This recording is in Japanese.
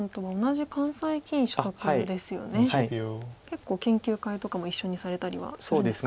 結構研究会とかも一緒にされたりはするんですか。